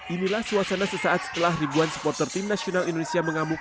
inilah suasana sesaat setelah ribuan supporter tim nasional indonesia mengamuk